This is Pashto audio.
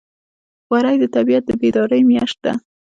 وری د طبیعت د بیدارۍ میاشت ده.